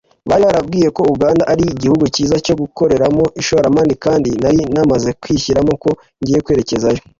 Bari barambwiye ko Uganda ari igihugu cyiza cyo gukoreramo ishoramari kandi nari namaze kwishyiramo ko ngiye kwerekezayo